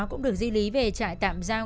cũng được di lý về trại tạm giao